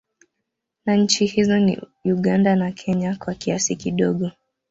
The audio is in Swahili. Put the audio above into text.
Na Nchi hizo ni Uganda na Kenya kwa kiasi kidogo